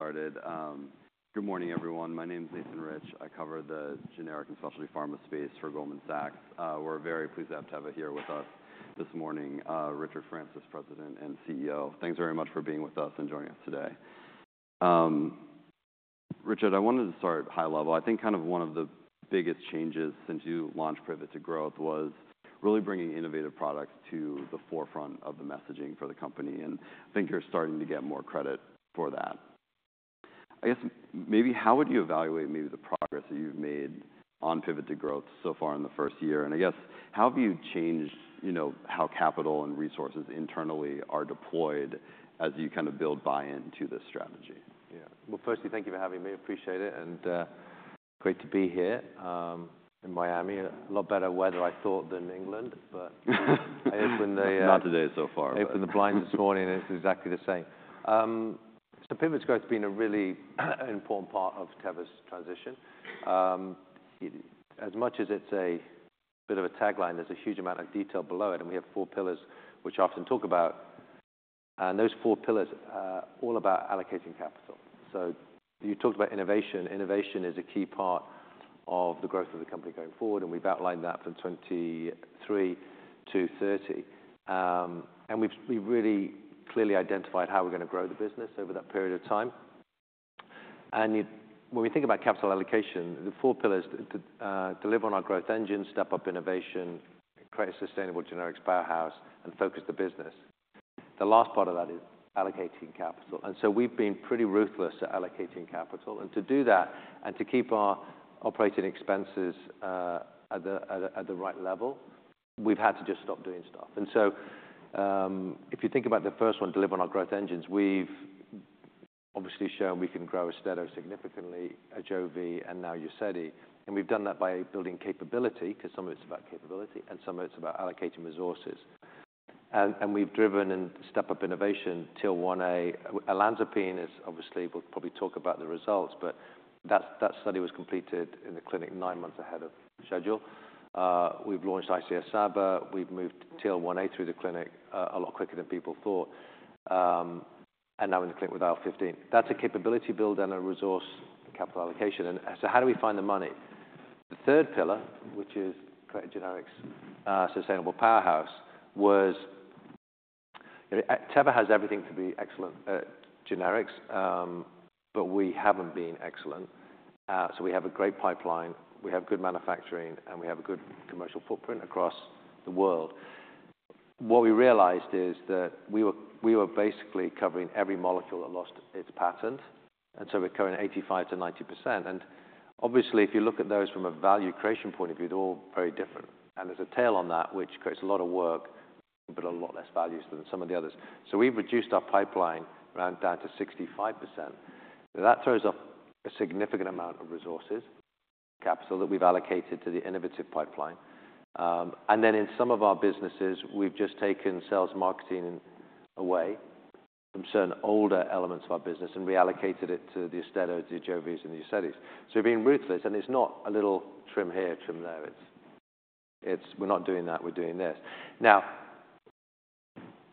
Good morning, everyone. My name's Nathan Rich. I cover the generic and specialty pharma space for Goldman Sachs. We're very pleased to have Teva here with us this morning. Richard Francis, President and CEO. Thanks very much for being with us and joining us today. Richard, I wanted to start high level. I think kind of one of the biggest changes since you launched Pivot to Growth was really bringing innovative products to the forefront of the messaging for the company. And I think you're starting to get more credit for that. I guess, maybe how would you evaluate maybe the progress that you've made on Pivot to Growth so far in the first year? And I guess, how have you changed, you know, how capital and resources internally are deployed as you kind of build buy-in to this strategy? Yeah. Well, firstly, thank you for having me. Appreciate it. And, great to be here, in Miami. A lot better weather I thought than England, but I opened the, Not today so far, but. I opened the blinds this morning, and it's exactly the same. Pivot to Growth has been a really important part of Teva's transition. It, as much as it's a bit of a tagline, there's a huge amount of detail below it. We have four pillars which I often talk about. Those four pillars are all about allocating capital. You talked about innovation. Innovation is a key part of the growth of the company going forward. We've outlined that from 2023-2030. We've really clearly identified how we're gonna grow the business over that period of time. When we think about capital allocation, the four pillars to deliver on our growth engine, step up innovation, create a sustainable generics powerhouse, and focus the business. The last part of that is allocating capital. And so we've been pretty ruthless at allocating capital. And to do that and to keep our operating expenses at the right level, we've had to just stop doing stuff. And so, if you think about the first one, deliver on our growth engines, we've obviously shown we can grow Austedo significantly, Ajovy, and now UZEDY. And we've done that by building capability 'cause some of it's about capability, and some of it's about allocating resources. And we've driven and stepped up innovation TL1A. Olanzapine is obviously, we'll probably talk about the results, but that study was completed in the clinic nine months ahead of schedule. We've launched ICS-SABA. We've moved TL1A through the clinic, a lot quicker than people thought. And now in the clinic with IL-15. That's a capability build and a resource capital allocation. And so how do we find the money? The third pillar, which is create a generics sustainable powerhouse, was, you know, Teva has everything to be excellent generics. But we haven't been excellent. So we have a great pipeline. We have good manufacturing, and we have a good commercial footprint across the world. What we realized is that we were basically covering every molecule that lost its patent. And so we're covering 85%-90%. And obviously, if you look at those from a value creation point of view, they're all very different. And there's a tail on that which creates a lot of work but a lot less values than some of the others. So we've reduced our pipeline down to 65%. Now, that throws off a significant amount of resources, capital that we've allocated to the innovative pipeline. and then in some of our businesses, we've just taken sales, marketing away from certain older elements of our business and reallocated it to the Austedo, the AJOVY, and the UZEDY. So we've been ruthless. And it's not a little trim here, trim there. It's, it's, we're not doing that. We're doing this. Now,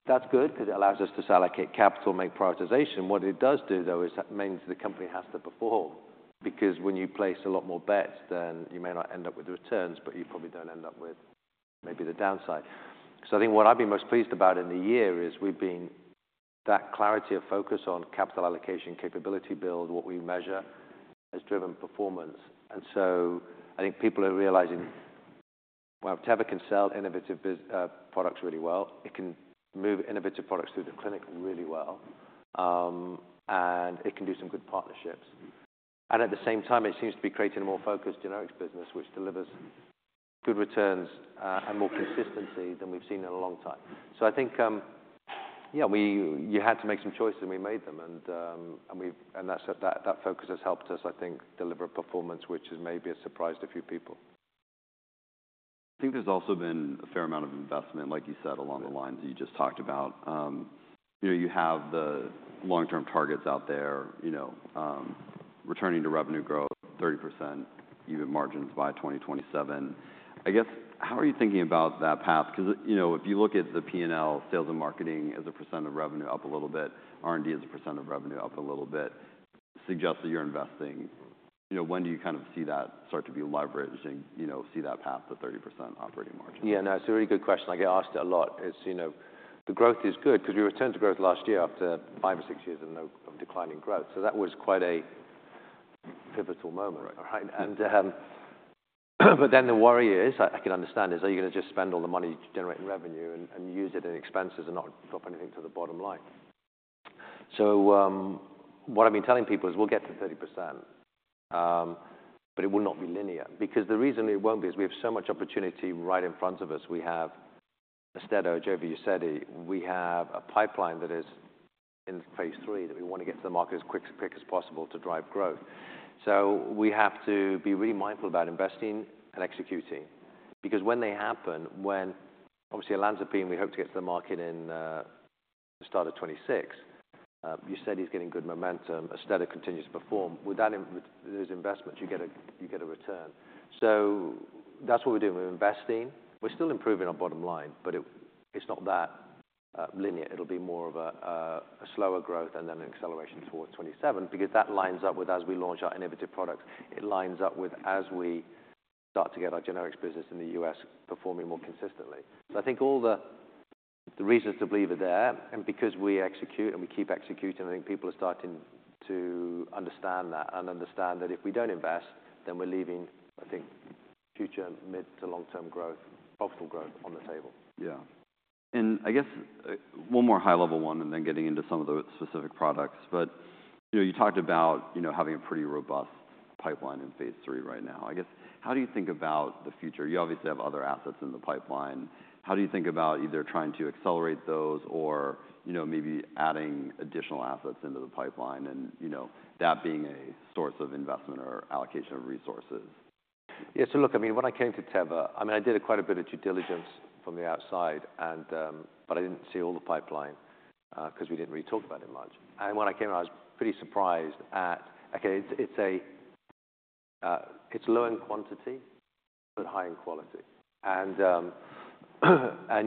that's good 'cause it allows us to allocate capital, make prioritization. What it does do, though, is that means the company has to perform because when you place a lot more bets, then you may not end up with the returns, but you probably don't end up with maybe the downside. So I think what I've been most pleased about in the year is we've been that clarity of focus on capital allocation, capability build, what we measure has driven performance. And so I think people are realizing, well, Teva can sell innovative biz products really well. It can move innovative products through the clinic really well, and it can do some good partnerships. And at the same time, it seems to be creating a more focused generics business which delivers good returns, and more consistency than we've seen in a long time. So I think, yeah, we, you had to make some choices, and we made them. And, and we've, and that's, that, that focus has helped us, I think, deliver a performance which has maybe surprised a few people. I think there's also been a fair amount of investment, like you said, along the lines that you just talked about. You know, you have the long-term targets out there, you know, returning to revenue growth, 30% EBIT margins by 2027. I guess, how are you thinking about that path? 'Cause, you know, if you look at the P&L, sales and marketing as a percent of revenue up a little bit, R&D as a percent of revenue up a little bit, suggests that you're investing. You know, when do you kind of see that start to be leveraged and, you know, see that path, the 30% operating margin? Yeah. No, it's a really good question. Like, I asked it a lot. It's, you know, the growth is good 'cause we returned to growth last year after five or six years of no declining growth. So that was quite a pivotal moment. Right. All right? But then the worry is, I can understand, is are you gonna just spend all the money generating revenue and use it in expenses and not drop anything to the bottom line? So, what I've been telling people is we'll get to 30%, but it will not be linear. Because the reason it won't be is we have so much opportunity right in front of us. We have Austedo, Ajovy, UZEDY. We have a pipeline that is in phase III that we wanna get to the market as quick, quick as possible to drive growth. So we have to be really mindful about investing and executing. Because when they happen, when obviously olanzapine, we hope to get to the market in the start of 2026. UZEDY's getting good momentum. Austedo continues to perform. With that, those investments, you get a return. So that's what we're doing. We're investing. We're still improving our bottom line, but it's not that linear. It'll be more of a slower growth and then an acceleration towards 2027 because that lines up with, as we launch our innovative products, it lines up with as we start to get our generics business in the U.S. performing more consistently. So I think all the reasons to believe are there. And because we execute and we keep executing, I think people are starting to understand that and understand that if we don't invest, then we're leaving, I think, future mid to long-term growth, profitable growth on the table. Yeah. And I guess, one more high-level one and then getting into some of the specific products. But, you know, you talked about, you know, having a pretty robust pipeline in phase III right now. I guess, how do you think about the future? You obviously have other assets in the pipeline. How do you think about either trying to accelerate those or, you know, maybe adding additional assets into the pipeline and, you know, that being a source of investment or allocation of resources? Yeah. So look, I mean, when I came to Teva, I mean, I did quite a bit of due diligence from the outside. But I didn't see all the pipeline, 'cause we didn't really talk about it much. When I came in, I was pretty surprised at, okay, it's, it's a, it's low in quantity but high in quality. And,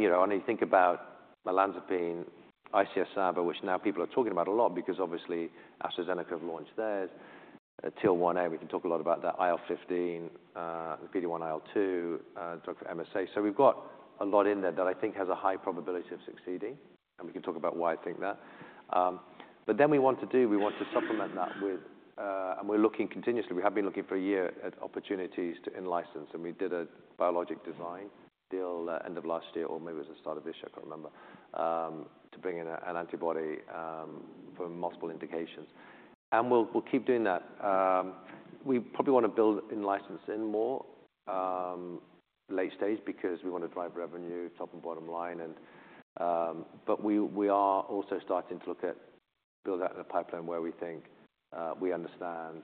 you know, when you think about olanzapine, ICS-SABA, which now people are talking about a lot because obviously AstraZeneca have launched theirs, TL1A. We can talk a lot about that. IL-15, the PD-1/IL-2, drug for MS. So we've got a lot in there that I think has a high probability of succeeding. We can talk about why I think that. But then we want to do, we want to supplement that with, and we're looking continuously. We have been looking for a year at opportunities to in-license. We did a Biolojic Design deal, end of last year or maybe it was the start of this year. I can't remember, to bring in an antibody for multiple indications. We'll, we'll keep doing that. We probably wanna build in-license in more late-stage because we wanna drive revenue, top and bottom line. But we are also starting to look at building out in the pipeline where we think we understand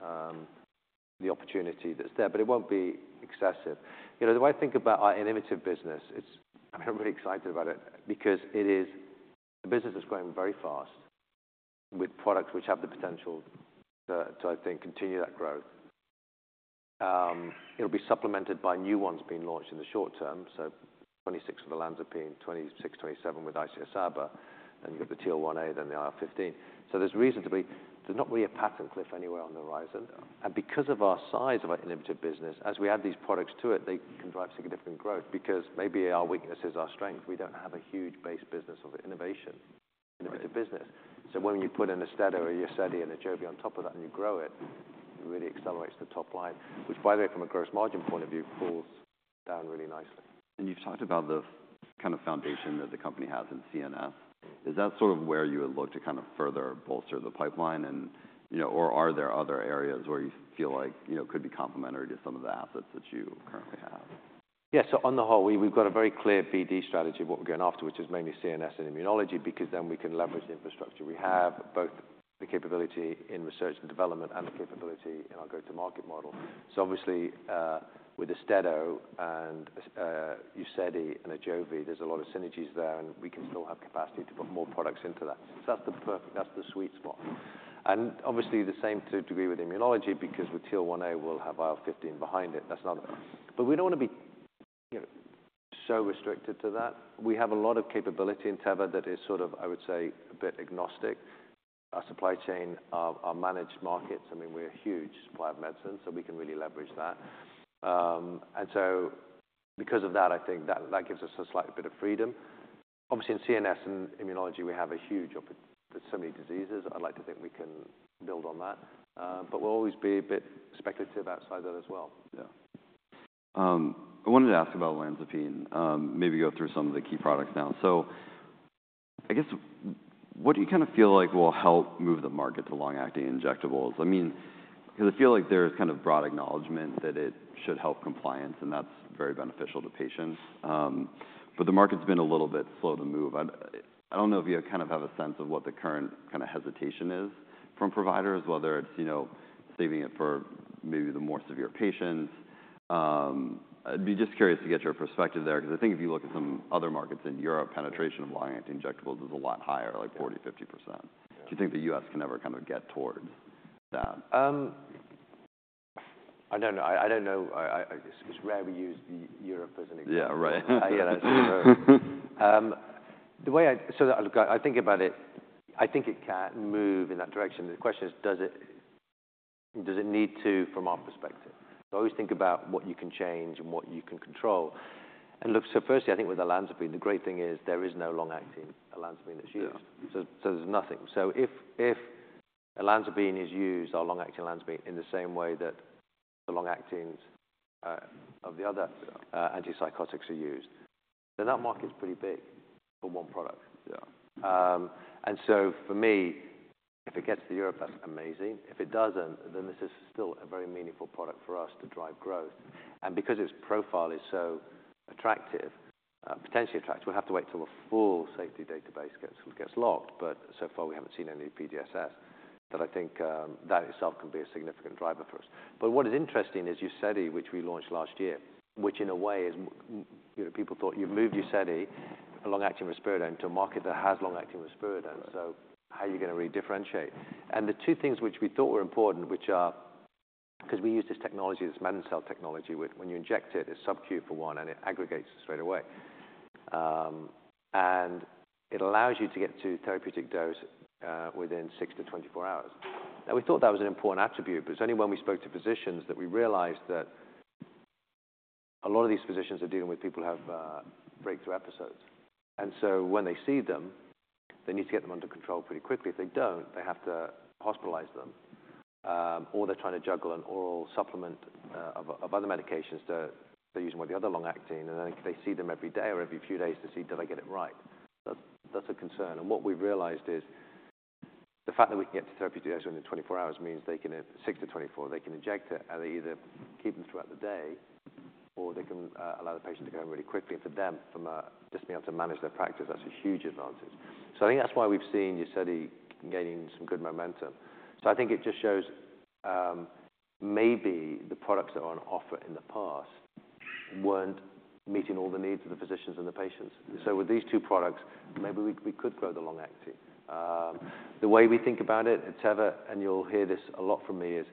the opportunity that's there. But it won't be excessive. You know, the way I think about our innovative business, it's, I mean, I'm really excited about it because it is the business is growing very fast with products which have the potential to, to, I think, continue that growth. It'll be supplemented by new ones being launched in the short term. So 2026 with Olanzapine, 2026, 2027 with ICS-SABA. Then you've got the TL1A, then the IL-15. So there's reason to be, there's not really a patent cliff anywhere on the horizon. And because of our size of our innovative business, as we add these products to it, they can drive significant growth because maybe our weakness is our strength. We don't have a huge base business of innovation, innovative business. So when you put in Austedo or UZEDY and Ajovy on top of that and you grow it, it really accelerates the top line, which, by the way, from a gross margin point of view, falls down really nicely. You've talked about the kind of foundation that the company has in CNS. Is that sort of where you would look to kind of further bolster the pipeline? You know, or are there other areas where you feel like, you know, could be complementary to some of the assets that you currently have? Yeah. So on the whole, we, we've got a very clear BD strategy of what we're going after, which is mainly CNS and immunology because then we can leverage the infrastructure we have, both the capability in research and development and the capability in our go-to-market model. So obviously, with Austedo and UZEDY and Ajovy, there's a lot of synergies there, and we can still have capacity to put more products into that. So that's the perfect, that's the sweet spot. And obviously, the same to a degree with immunology because with TL1A, we'll have IL-15 behind it. That's not, but we don't wanna be, you know, so restricted to that. We have a lot of capability in Teva that is sort of, I would say, a bit agnostic. Our supply chain, our managed markets, I mean, we're a huge supplier of medicine, so we can really leverage that. And so because of that, I think that gives us a slight bit of freedom. Obviously, in CNS and immunology, we have a huge opportunity for so many diseases. I'd like to think we can build on that. But we'll always be a bit speculative outside that as well. Yeah. I wanted to ask about olanzapine, maybe go through some of the key products now. So I guess, what do you kind of feel like will help move the market to long-acting injectables? I mean, 'cause I feel like there's kind of broad acknowledgement that it should help compliance, and that's very beneficial to patients. But the market's been a little bit slow to move. I don't know if you kind of have a sense of what the current kind of hesitation is from providers, whether it's, you know, saving it for maybe the more severe patients. I'd be just curious to get your perspective there 'cause I think if you look at some other markets in Europe, penetration of long-acting injectables is a lot higher, like 40%-50%. Do you think the U.S. can ever kind of get towards that? I don't know. I don't know. It's rare we use Europe as an example. Yeah. Right. Yeah. That's true. The way I, so that, look, I think about it, I think it can move in that direction. The question is, does it need to from our perspective? So I always think about what you can change and what you can control. And look, so firstly, I think with olanzapine, the great thing is there is no long-acting olanzapine that's used. Yeah. So if olanzapine is used, our long-acting olanzapine in the same way that the long-actings of the other antipsychotics are used, then that market's pretty big for one product. Yeah. and so for me, if it gets to Europe, that's amazing. If it doesn't, then this is still a very meaningful product for us to drive growth. And because its profile is so attractive, potentially attractive, we'll have to wait till the full safety database gets locked. But so far, we haven't seen any PDSS that I think, that itself can be a significant driver for us. But what is interesting is UZEDY, which we launched last year, which in a way is, you know, people thought you've moved UZEDY, a long-acting risperidone, to a market that has long-acting risperidone. So how are you gonna really differentiate? And the two things which we thought were important, which are 'cause we use this technology, this MedinCell technology, which when you inject it, it's subq for one, and it aggregates straight away. It allows you to get to therapeutic dose within 6-24 hours. Now, we thought that was an important attribute, but it's only when we spoke to physicians that we realized that a lot of these physicians are dealing with people who have breakthrough episodes. And so when they see them, they need to get them under control pretty quickly. If they don't, they have to hospitalize them, or they're trying to juggle an oral supplement of other medications that they're using with the other long-acting. And then if they see them every day or every few days to see, did I get it right? That's a concern. What we've realized is the fact that we can get to therapeutic dose within 24 hours means they can, in 6-24, they can inject it, and they either keep them throughout the day or they can allow the patient to go home really quickly. And for them, from just being able to manage their practice, that's a huge advantage. So I think that's why we've seen UZEDY gaining some good momentum. So I think it just shows, maybe the products that were on offer in the past weren't meeting all the needs of the physicians and the patients. So with these two products, maybe we could grow the long-acting the way we think about it at Teva, and you'll hear this a lot from me, is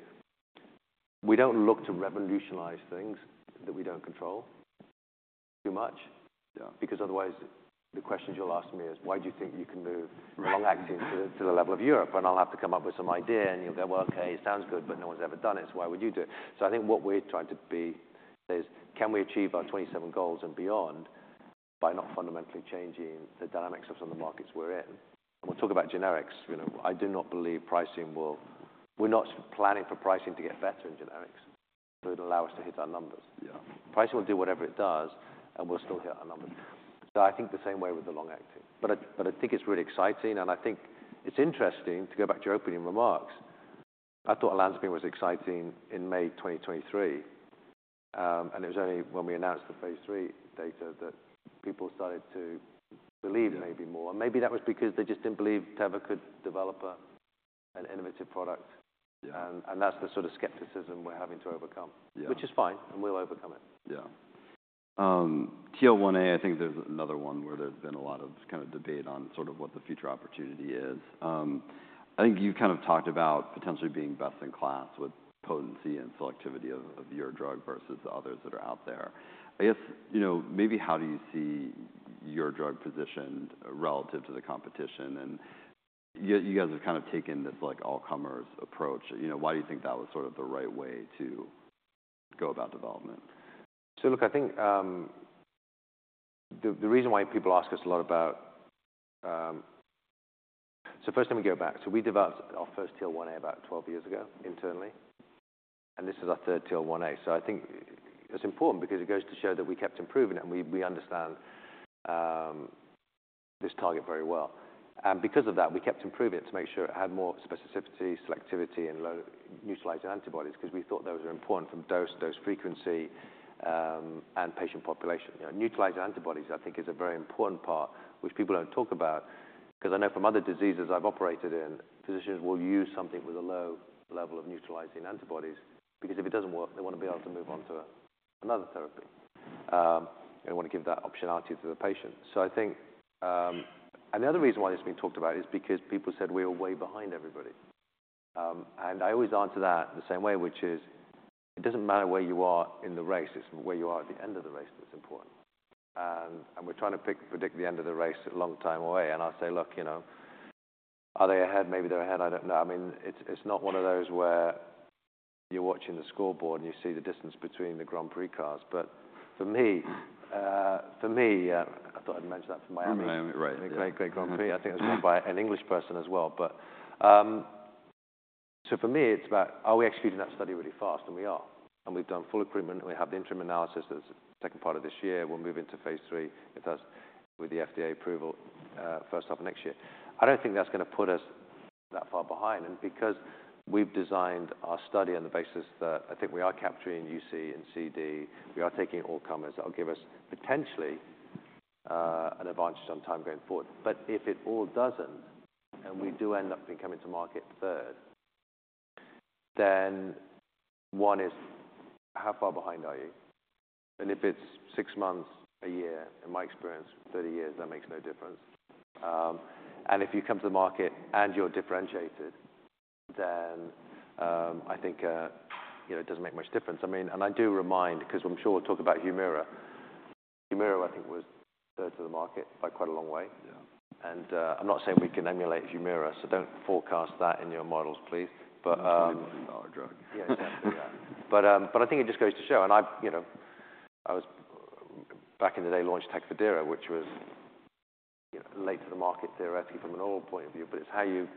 we don't look to revolutionize things that we don't control too much. Yeah. Because otherwise, the questions you'll ask me is, why do you think you can move long-acting to the level of Europe? And I'll have to come up with some idea, and you'll go, well, okay, it sounds good, but no one's ever done it. So why would you do it? So I think what we're trying to be is, can we achieve our 27 goals and beyond by not fundamentally changing the dynamics of some of the markets we're in? And we'll talk about generics. You know, I do not believe pricing will, we're not planning for pricing to get better in generics. So it'll allow us to hit our numbers. Yeah. Pricing will do whatever it does, and we'll still hit our numbers. So I think the same way with the long-acting. But I, but I think it's really exciting. And I think it's interesting to go back to your opening remarks. I thought olanzapine was exciting in May 2023, and it was only when we announced the phase III data that people started to believe it maybe more. And maybe that was because they just didn't believe Teva could develop an innovative product. Yeah. And that's the sort of skepticism we're having to overcome. Yeah. Which is fine, and we'll overcome it. Yeah. TL1A, I think there's another one where there's been a lot of kind of debate on sort of what the future opportunity is. I think you kind of talked about potentially being best in class with potency and selectivity of, of your drug versus the others that are out there. I guess, you know, maybe how do you see your drug positioned relative to the competition? And you, you guys have kind of taken this like all-comers approach. You know, why do you think that was sort of the right way to go about development? So look, I think the reason why people ask us a lot about, so first let me go back. So we developed our first TL1A about 12 years ago internally. And this is our third TL1A. So I think it's important because it goes to show that we kept improving it, and we understand this target very well. And because of that, we kept improving it to make sure it had more specificity, selectivity, and low neutralizing antibodies 'cause we thought those are important from dose frequency, and patient population. You know, neutralizing antibodies, I think, is a very important part, which people don't talk about 'cause I know from other diseases I've operated in, physicians will use something with a low level of neutralizing antibodies because if it doesn't work, they wanna be able to move on to another therapy. And I wanna give that optionality to the patient. So I think, and the other reason why this has been talked about is because people said we were way behind everybody. And I always answer that the same way, which is it doesn't matter where you are in the race. It's where you are at the end of the race that's important. And we're trying to predict the end of the race a long time away. And I'll say, look, you know, are they ahead? Maybe they're ahead. I don't know. I mean, it's not one of those where you're watching the scoreboard and you see the distance between the Grand Prix cars. But for me, I thought I'd mention that for Miami. Miami, right. The Great Great Grand Prix. I think it was run by an English person as well. So for me, it's about, are we executing that study really fast? And we are. And we've done full enrollment, and we have the interim analysis that's taken place this year. We'll move into phase III with the FDA approval, first half of next year. I don't think that's gonna put us that far behind. And because we've designed our study on the basis that I think we are capturing UC and CD, we are taking all-comers that'll give us potentially an advantage on time going forward. But if it all doesn't, and we do end up coming to market third, then one is how far behind are you? And if it's six months, one year, in my experience, 30 years, that makes no difference. If you come to the market and you're differentiated, then, I think, you know, it doesn't make much difference. I mean, and I do remind 'cause I'm sure we'll talk about Humira. Humira, I think, was third to the market by quite a long way. Yeah. I'm not saying we can emulate Humira, so don't forecast that in your models, please. But, Our drug. Yeah, exactly. Yeah. But I think it just goes to show. And I, you know, I was back in the day, launched Tecfidera, which was, you know, late to the market theoretically from an oral point of view, but it's how you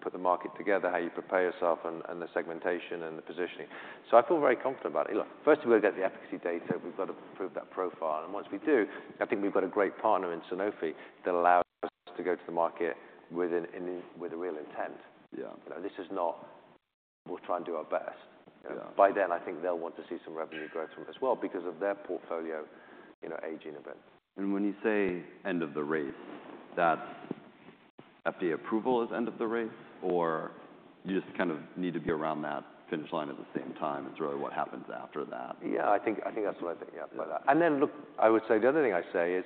put the market together, how you prepare yourself, and the segmentation and the positioning. So I feel very confident about it. Look, firstly, we've got the efficacy data. We've got to prove that profile. And once we do, I think we've got a great partner in Sanofi that allows us to go to the market with a real intent. Yeah. You know, this is not, we'll try and do our best. Yeah. By then, I think they'll want to see some revenue growth from it as well because of their portfolio, you know, aging a bit. And when you say end of the race, that's FDA approval is end of the race, or you just kind of need to be around that finish line at the same time? It's really what happens after that. Yeah. I think, I think that's what I think. Yeah. But, and then look, I would say the other thing I say is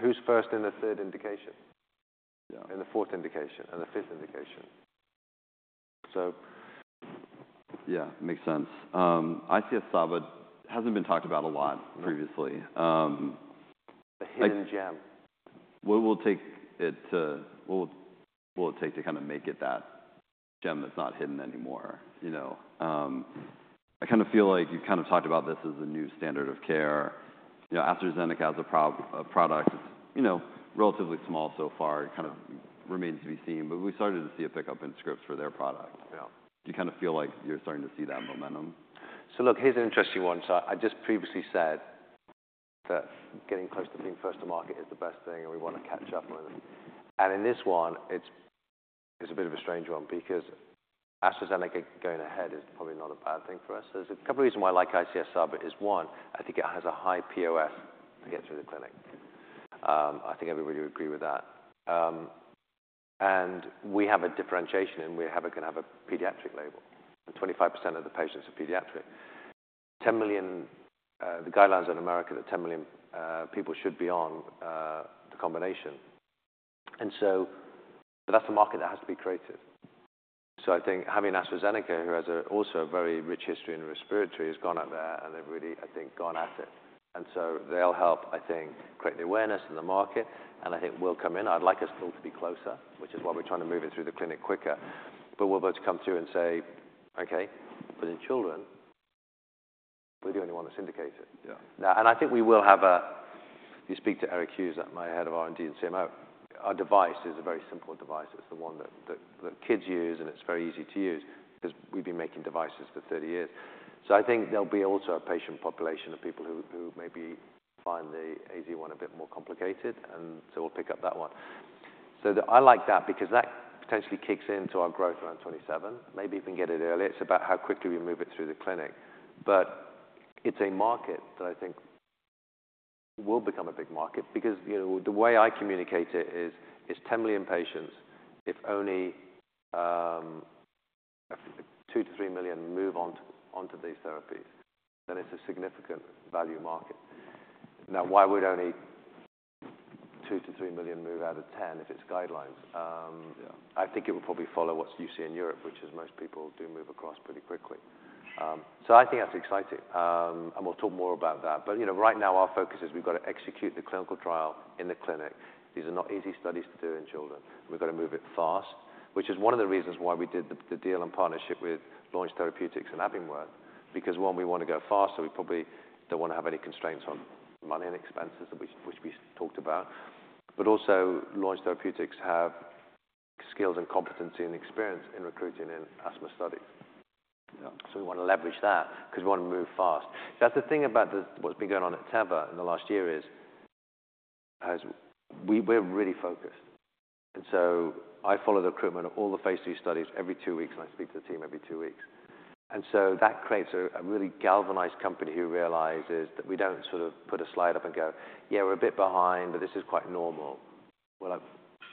who's first in the third indication. Yeah. In the fourth indication and the fifth indication. So. Yeah. Makes sense. I see a sub that hasn't been talked about a lot previously. The hidden gem. What will it take to kind of make it that gem that's not hidden anymore? You know, I kind of feel like you've kind of talked about this as a new standard of care. You know, AstraZeneca has a product that's, you know, relatively small so far, kind of remains to be seen. But we started to see a pickup in scripts for their product. Yeah. Do you kind of feel like you're starting to see that momentum? So look, here's an interesting one. So I just previously said that getting close to being first to market is the best thing, and we wanna catch up on it. And in this one, it's a bit of a strange one because AstraZeneca going ahead is probably not a bad thing for us. There's a couple of reasons why I like ICS-SABA. It is one, I think it has a high POS to get through the clinic. I think everybody would agree with that. And we have a differentiation, and we have a, can have a pediatric label. 25% of the patients are pediatric. 10 million, the guidelines in America that 10 million, people should be on, the combination. And so, but that's a market that has to be created. So I think having AstraZeneca, who has also a very rich history in respiratory, has gone out there, and they've really, I think, gone at it. And so they'll help, I think, create the awareness in the market. And I think we'll come in. I'd like us all to be closer, which is why we're trying to move it through the clinic quicker. But we'll both come through and say, okay, but in children, we're the only one that's indicated. Yeah. Now, I think we will have you speak to Eric Hughes, my head of R&D and CMO. Our device is a very simple device. It's the one that kids use, and it's very easy to use 'cause we've been making devices for 30 years. So I think there'll be also a patient population of people who maybe find the AZ one a bit more complicated. And so we'll pick up that one. So I like that because that potentially kicks into our growth around 2027. Maybe we can get it early. It's about how quickly we move it through the clinic. But it's a market that I think will become a big market because, you know, the way I communicate it is 10 million patients, if only 2-3 million move on to onto these therapies, then it's a significant value market. Now, why would only 2-3 million move out of 10 if it's guidelines? Yeah. I think it will probably follow what's UC in Europe, which is most people do move across pretty quickly. So I think that's exciting. We'll talk more about that. But, you know, right now our focus is we've got to execute the clinical trial in the clinic. These are not easy studies to do in children. We've got to move it fast, which is one of the reasons why we did the deal and partnership with Launch Therapeutics and Evernorth because one, we wanna go faster. We probably don't wanna have any constraints on money and expenses that we, which we talked about. But also, Launch Therapeutics have skills and competency and experience in recruiting in asthma studies. Yeah. So we wanna leverage that 'cause we wanna move fast. That's the thing about what's been going on at Teva in the last year is as we, we're really focused. And so I follow the recruitment of all the phase III studies every two weeks, and I speak to the team every two weeks. And so that creates a really galvanized company who realizes that we don't sort of put a slide up and go, yeah, we're a bit behind, but this is quite normal. Well,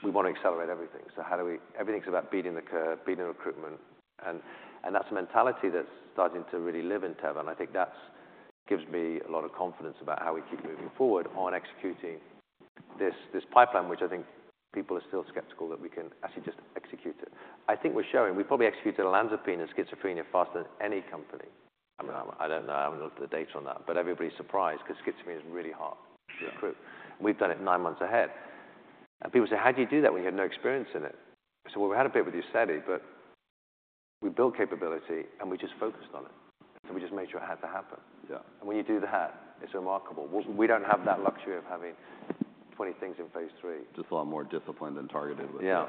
we wanna accelerate everything. So how do we, everything's about beating the curve, beating recruitment. And that's a mentality that's starting to really live in Teva. And I think that gives me a lot of confidence about how we keep moving forward on executing this pipeline, which I think people are still skeptical that we can actually just execute it. I think we're showing we probably executed olanzapine and schizophrenia faster than any company. I mean, I don't know. I haven't looked at the dates on that, but everybody's surprised 'cause schizophrenia is really hard to recruit. Yeah. We've done it nine months ahead. People say, how do you do that when you have no experience in it? I said, well, we had a bit with UZEDY, but we built capability, and we just focused on it. So we just made sure it had to happen. Yeah. When you do that, it's remarkable. We don't have that luxury of having 20 things in phase III. Just a lot more disciplined and targeted with it. Yeah.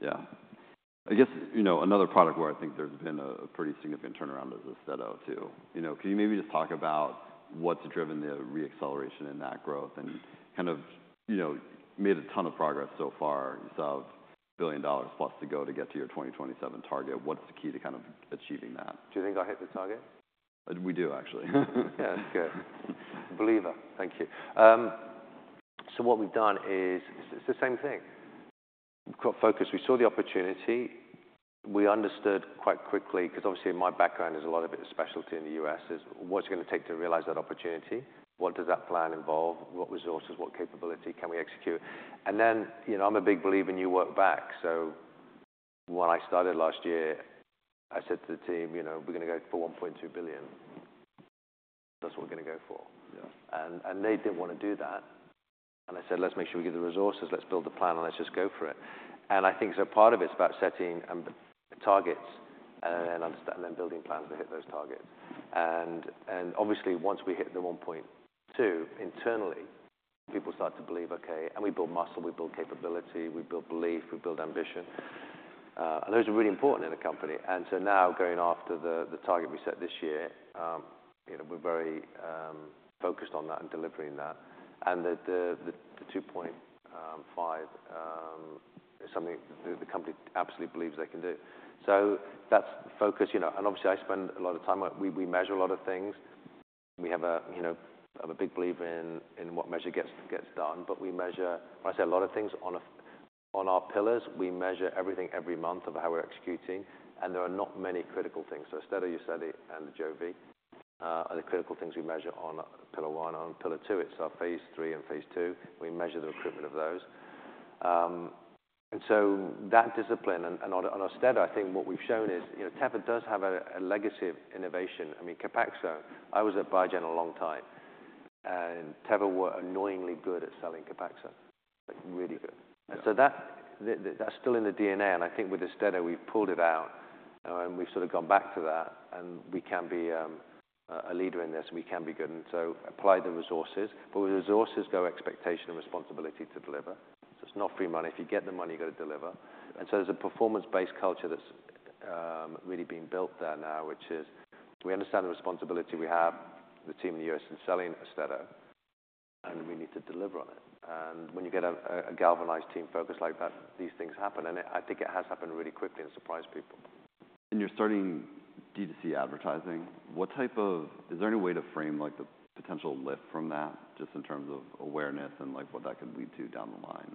Yeah. I guess, you know, another product where I think there's been a pretty significant turnaround is Austedo. You know, could you maybe just talk about what's driven the re-acceleration in that growth and kind of, you know, made a ton of progress so far? You still have $1 billion plus to go to get to your 2027 target. What's the key to kind of achieving that? Do you think I'll hit the target? We do, actually. Yeah. Okay. Believer. Thank you. So what we've done is it's the same thing. We've got focus. We saw the opportunity. We understood quite quickly 'cause obviously my background is a lot of it is specialty in the U.S. is what's it gonna take to realize that opportunity? What does that plan involve? What resources, what capability can we execute? And then, you know, I'm a big believer in you work back. So when I started last year, I said to the team, you know, we're gonna go for $1.2 billion. That's what we're gonna go for. Yeah. They didn't wanna do that. I said, let's make sure we get the resources. Let's build a plan, and let's just go for it. I think so part of it's about setting targets and then understand, and then building plans to hit those targets. Obviously once we hit the 1.2 internally, people start to believe, okay, and we build muscle, we build capability, we build belief, we build ambition. And those are really important in a company. Now going after the target we set this year, you know, we're very focused on that and delivering that. The 2.5 is something the company absolutely believes they can do. So that's focus, you know. Obviously I spend a lot of time on it. We measure a lot of things. We have a, you know, I'm a big believer in what measure gets done. But we measure, when I say a lot of things on our pillars, we measure everything every month of how we're executing. And there are not many critical things. So Austedo, UZEDY, and Ajovy are the critical things we measure on pillar one. On pillar two, it's our phase III and phase II. We measure the recruitment of those, and so that discipline and on our Austedo, I think what we've shown is, you know, Teva does have a legacy of innovation. I mean, Copaxone, I was at Biogen a long time, and Teva were annoyingly good at selling Copaxone. Like, really good. And so that, that's still in the DNA. And I think with the Austedo, we've pulled it out, and we've sort of gone back to that. And we can be a leader in this. We can be good. And so apply the resources. But with resources, go expectation and responsibility to deliver. So it's not free money. If you get the money, you gotta deliver. And so there's a performance-based culture that's really being built there now, which is we understand the responsibility we have, the team in the U.S. is selling Austedo, and we need to deliver on it. And when you get a galvanized team focused like that, these things happen. And I think it has happened really quickly and surprised people. You're starting DTC advertising. Is there any way to frame like the potential lift from that just in terms of awareness and like what that could lead to down the line?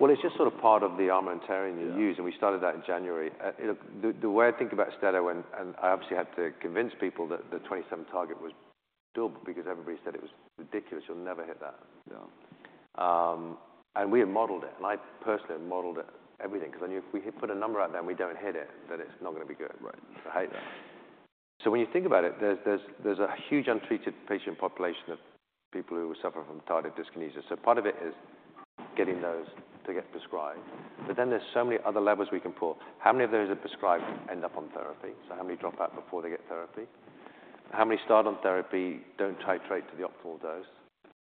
Well, it's just sort of part of the armamentarium you use. We started that in January. You know, the way I think about Austedo, and I obviously had to convince people that the 27 target was doable because everybody said it was ridiculous. You'll never hit that. Yeah. We have modeled it. I personally have modeled it, everything. 'Cause I knew if we put a number out there and we don't hit it, then it's not gonna be good. Right. I hate that. So when you think about it, there's a huge untreated patient population of people who suffer from tardive dyskinesia. So part of it is getting those to get prescribed. But then there's so many other levers we can pull. How many of those that prescribe end up on therapy? So how many drop out before they get therapy? How many start on therapy, don't titrate to the optimal dose,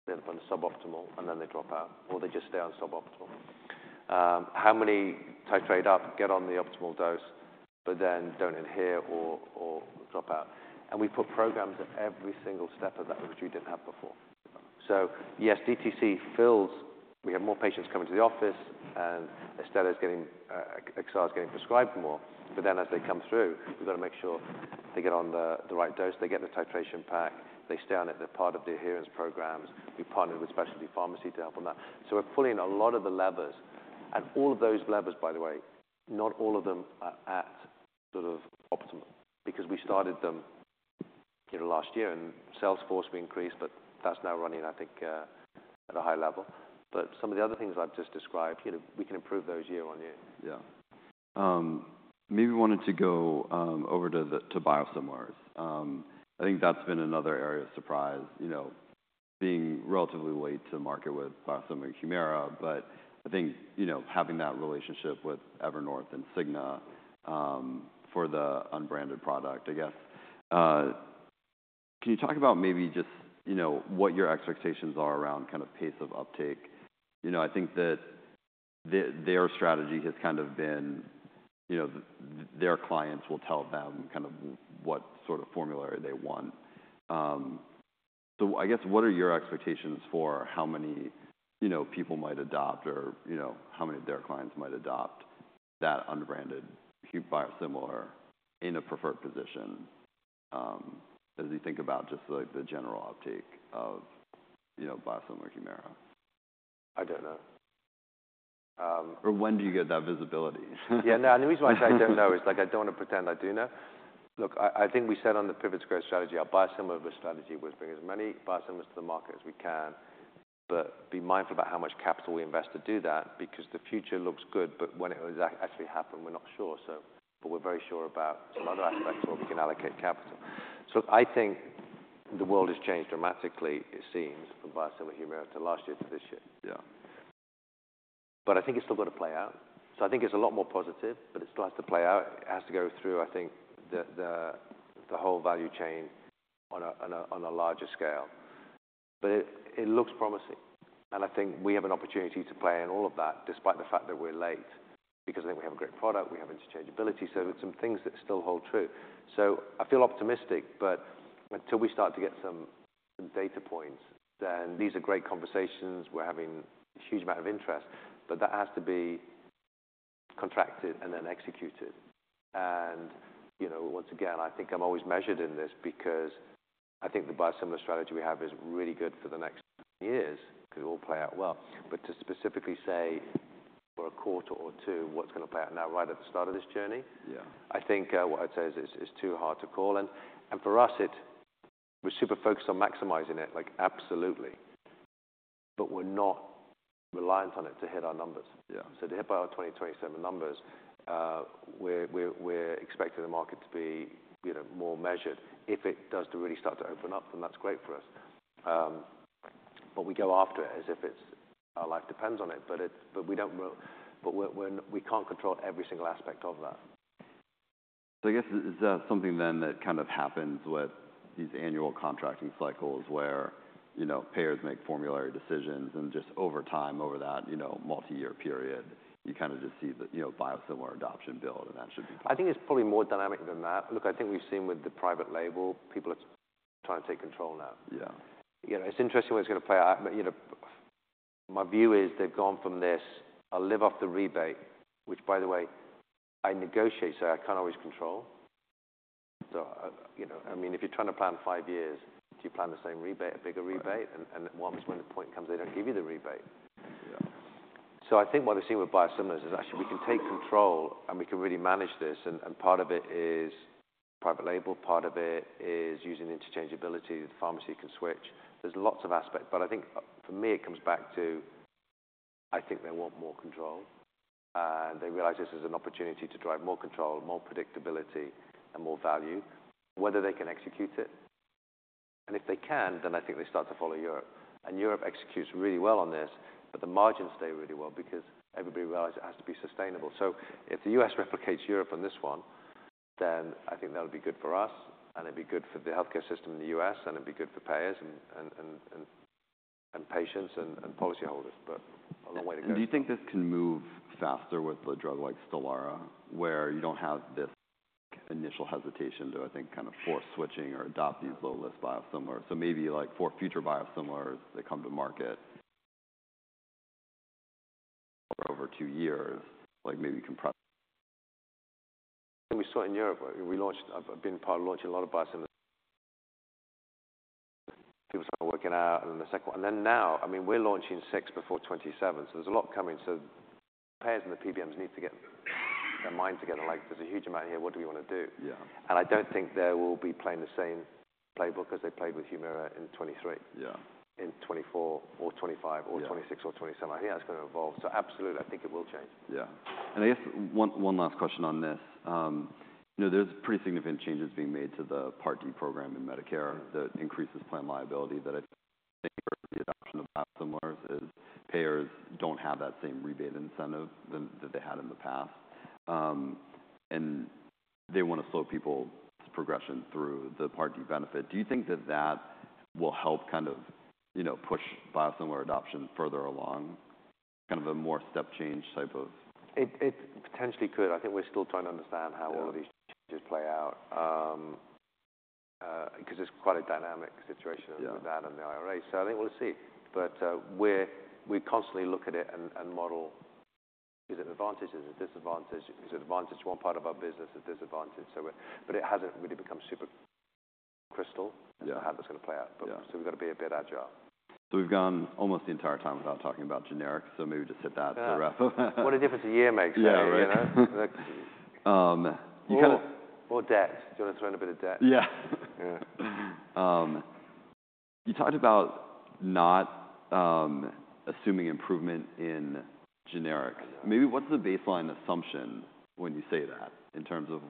then find the suboptimal, and then they drop out, or they just stay on suboptimal? How many titrate up, get on the optimal dose, but then don't inhale or drop out? And we put programs at every single step of that which we didn't have before. So yes, DTC fills. We have more patients coming to the office, and Austedo's getting, XR's getting prescribed more. But then as they come through, we've gotta make sure they get on the, the right dose, they get the titration pack, they stay on it, they're part of the adherence programs. We partnered with specialty pharmacy to help on that. So we're pulling a lot of the levers. And all of those levers, by the way, not all of them are at sort of optimum because we started them, you know, last year. And sales force we increased, but that's now running, I think, at a high level. But some of the other things I've just described, you know, we can improve those year on year. Yeah. Maybe wanted to go over to the biosimilars. I think that's been another area of surprise, you know, being relatively late to the market with biosimilar Humira. But I think, you know, having that relationship with Evernorth and Cigna for the unbranded product, I guess, can you talk about maybe just, you know, what your expectations are around kind of pace of uptake? You know, I think that their strategy has kind of been, you know, their clients will tell them kind of what sort of formulary they want. So I guess what are your expectations for how many, you know, people might adopt or, you know, how many of their clients might adopt that unbranded biosimilar in a preferred position, as you think about just like the general uptake of, you know, biosimilar Humira? I don't know. Or when do you get that visibility? Yeah. Now, the reason why I say I don't know is like, I don't wanna pretend I do know. Look, I think we said on the Pivot to Growth strategy our biosimilar strategy was bring as many biosimilars to the market as we can, but be mindful about how much capital we invest to do that because the future looks good, but when it will actually happen, we're not sure. So, but we're very sure about some other aspects where we can allocate capital. So I think the world has changed dramatically, it seems, from biosimilars and Humira last year to this year. Yeah. But I think it's still gotta play out. So I think it's a lot more positive, but it still has to play out. It has to go through, I think, the whole value chain on a larger scale. But it looks promising. And I think we have an opportunity to play in all of that despite the fact that we're late because I think we have a great product. We have interchangeability. So some things that still hold true. So I feel optimistic, but until we start to get some data points, then these are great conversations. We're having a huge amount of interest. But that has to be contracted and then executed. You know, once again, I think I'm always measured in this because I think the biosimilar strategy we have is really good for the next years 'cause it will play out well. But to specifically say for a quarter or two what's gonna play out now right at the start of this journey. Yeah. I think what I'd say is it's too hard to call. And for us, we're super focused on maximizing it, like absolutely. But we're not reliant on it to hit our numbers. Yeah. So to hit by our 2027 numbers, we're expecting the market to be, you know, more measured. If it does really start to open up, then that's great for us. But we go after it as if it's our life depends on it. But it, but we don't, but we're we can't control every single aspect of that. I guess is that something then that kind of happens with these annual contracting cycles where, you know, payers make formulary decisions and just over time over that, you know, multi-year period, you kind of just see the, you know, biosimilar adoption build and that should be fine. I think it's probably more dynamic than that. Look, I think we've seen with the private label, people are trying to take control now. Yeah. You know, it's interesting what it's gonna play out. You know, my view is they've gone from this, I'll live off the rebate, which by the way, I negotiate, so I can't always control. So, you know, I mean, if you're trying to plan five years, do you plan the same rebate, a bigger rebate? And, and once when the point comes, they don't give you the rebate. Yeah. So I think what we've seen with biosimilars is actually we can take control and we can really manage this. And part of it is private label. Part of it is using interchangeability. The pharmacy can switch. There's lots of aspects. But I think for me, it comes back to I think they want more control. And they realize this is an opportunity to drive more control, more predictability, and more value, whether they can execute it. And if they can, then I think they start to follow Europe. And Europe executes really well on this, but the margins stay really well because everybody realizes it has to be sustainable. So if the U.S. replicates Europe on this one, then I think that'll be good for us. And it'd be good for the healthcare system in the U.S. And it'd be good for payers and patients and policyholders. But a long way to go. Do you think this can move faster with a drug like Stelara where you don't have this initial hesitation to, I think, kind of force switching or adopt these low-list biosimilars? So maybe like for future biosimilars that come to market over two years, like maybe compress. We saw it in Europe. We launched. I've been part of launching a lot of biosimilars. People started working out. And then the second one. And then now, I mean, we're launching six before 2027. So there's a lot coming. So the payers and the PBMs need to get their mind together. Like, there's a huge amount here. What do we wanna do? Yeah. I don't think they will be playing the same playbook as they played with Humira in 2023. Yeah. In 2024 or 2025 or 2026 or 2027. I think that's gonna evolve. So absolutely, I think it will change. Yeah. And I guess one, one last question on this. You know, there's pretty significant changes being made to the Part D program in Medicare that increases plan liability that I think the adoption of biosimilars is payers don't have that same rebate incentive than that they had in the past. And they wanna slow people's progression through the Part D benefit. Do you think that that will help kind of, you know, push biosimilar adoption further along? Kind of a more step change type of. It potentially could. I think we're still trying to understand how all of these changes play out, 'cause it's quite a dynamic situation with that and the IRA. So I think we'll see. But we're constantly look at it and model, is it an advantage? Is it a disadvantage? Is it an advantage? One part of our business is a disadvantage. So we're, but it hasn't really become super crystal clear as to how that's gonna play out. Yeah. But so we've gotta be a bit agile. We've gone almost the entire time without talking about generics. Maybe just hit that. Yeah. For the rest of. What a difference a year makes. Yeah. Right. Right. You know? You kinda. More, more debt. Do you wanna throw in a bit of debt? Yeah. Yeah. You talked about not assuming improvement in generics. Maybe what's the baseline assumption when you say that in terms of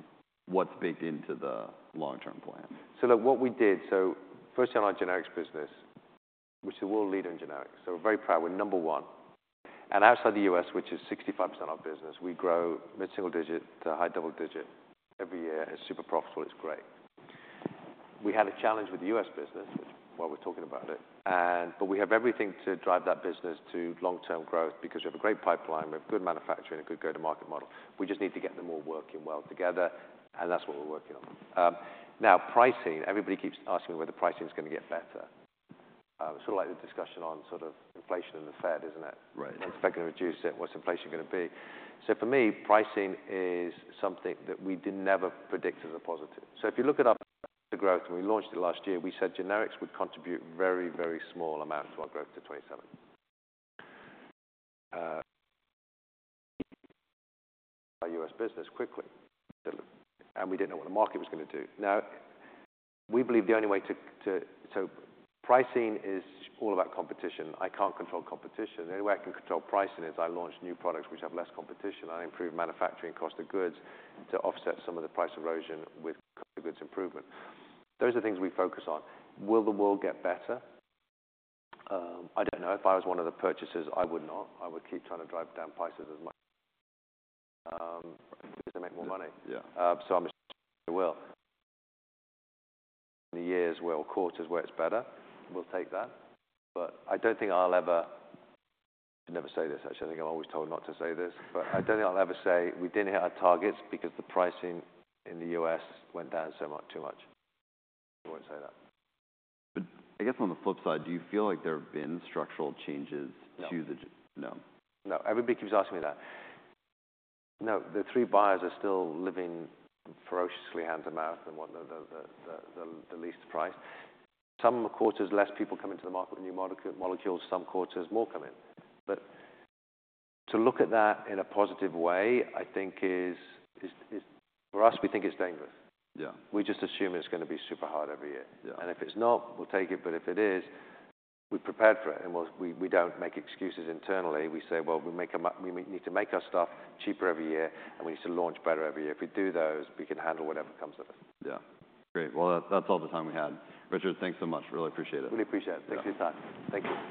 what's baked into the long-term plan? So look, what we did, so firstly, on our generics business, which is a world leader in generics. So we're very proud. We're number one. And outside the U.S., which is 65% of our business, we grow mid-single digit to high double digit every year. It's super profitable. It's great. We had a challenge with the U.S. business, which, while we're talking about it. And but we have everything to drive that business to long-term growth because we have a great pipeline. We have good manufacturing and a good go-to-market model. We just need to get them all working well together. And that's what we're working on. Now pricing, everybody keeps asking me whether pricing's gonna get better. It's sort of like the discussion on sort of inflation and the Fed, isn't it? Right. What's Fed gonna reduce it? What's inflation gonna be? So for me, pricing is something that we didn't ever predict as a positive. So if you look at our growth, and we launched it last year, we said generics would contribute very, very small amounts to our growth to 2027. Our U.S. business quickly. And we didn't know what the market was gonna do. Now, we believe the only way to so pricing is all about competition. I can't control competition. The only way I can control pricing is I launch new products which have less competition. I improve manufacturing cost of goods to offset some of the price erosion with goods improvement. Those are things we focus on. Will the world get better? I don't know. If I was one of the purchasers, I would not. I would keep trying to drive down prices as much. because they make more money. Yeah. So I'm assuming they will. In the years where or quarters where it's better, we'll take that. But I don't think I'll ever, I should never say this, actually. I think I'm always told not to say this. But I don't think I'll ever say we didn't hit our targets because the pricing in the U.S. went down so much, too much. I won't say that. I guess on the flip side, do you feel like there have been structural changes to the? No. No? No. Everybody keeps asking me that. No, the three buyers are still living ferociously hand to mouth and want the least price. Some quarters, less people come into the market with new molecules. Some quarters, more come in. But to look at that in a positive way, I think is for us, we think it's dangerous. Yeah. We just assume it's gonna be super hard every year. Yeah. If it's not, we'll take it. But if it is, we've prepared for it. We don't make excuses internally. We say, well, we need to make our stuff cheaper every year, and we need to launch better every year. If we do those, we can handle whatever comes at us. Yeah. Great. Well, that's all the time we had. Richard, thanks so much. Really appreciate it. Really appreciate it. Thanks for your time. Thank you.